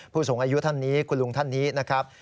ผู้สูงอายุท่านนี้คุณลุงท่านนี้นะครับ